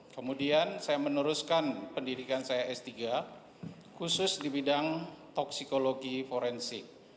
kemudian saya meneruskan pendidikan saya s tiga khusus di bidang toksikologi forensik